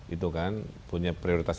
itu kan punya prioritas